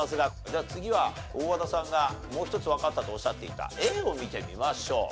では次は大和田さんがもう一つわかったとおっしゃっていたＡを見てみましょう。